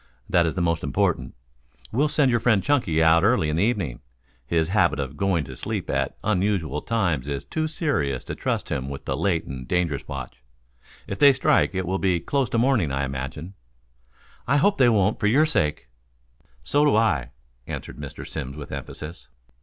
That is the most important. We'll send your friend Chunky out early in the evening. His habit of going to sleep at unusual times is too serious to trust him with the late and dangerous watch. If they strike it will be close to morning, I imagine." "I hope they won't, for your sake." "So do I," answered Mr. Simms, with emphasis.